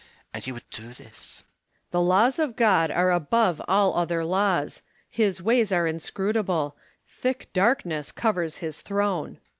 And you would do this? Home. The laws of God are above all other laws : his ways are inscrutable : thick darkness covers his throne. Hume.